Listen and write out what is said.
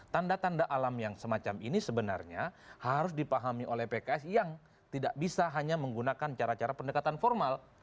tanda tanda alam yang semacam ini sebenarnya harus dipahami oleh pks yang tidak bisa hanya menggunakan cara cara pendekatan formal